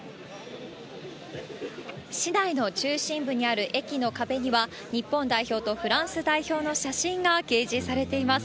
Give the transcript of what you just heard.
市内の中心部にある駅の壁には、日本代表とフランス代表の写真が掲示されています。